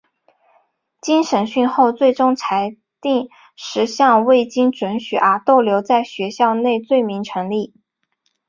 经审讯后最终裁定十项未经准许而逗留在学校内罪名成立。